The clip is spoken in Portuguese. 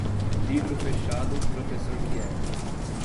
Livro fechado, professor quieto.